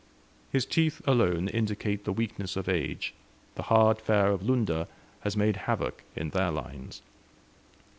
His teeth alone indicate the weakness of age; the hard fare of Lunda has made havoc in their lines.